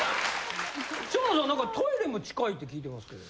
蝶野さんなんかトイレも近いって聞いてますけど。